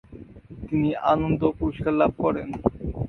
তিনি আনন্দ পুরস্কার লাভ করেন।